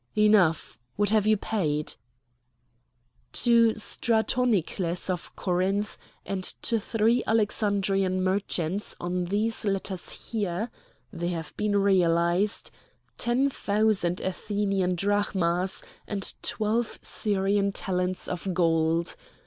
"Enough! What have you paid?" "To Stratonicles of Corinth, and to three Alexandrian merchants, on these letters here (they have been realised), ten thousand Athenian drachmas, and twelve Syrian talents of gold.